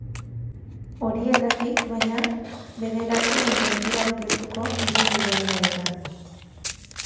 Horietatik, baina, bederatzi baino ez dira aurkeztuko hiru lurraldeetan.